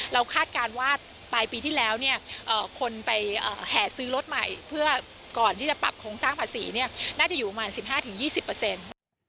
คาดการณ์ว่าปลายปีที่แล้วเนี่ยคนไปแห่ซื้อรถใหม่เพื่อก่อนที่จะปรับโครงสร้างภาษีเนี่ยน่าจะอยู่ประมาณ๑๕๒๐เปอร์เซ็นต์